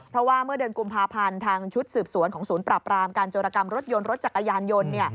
เพราะว่าเมื่อเดือนกุมภาพันธ์ทางชุดสืบสวนของศูนย์ปราบรามการโจรกรรมรถยนต์รถจักรยานยนต์